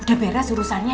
udah beres urusannya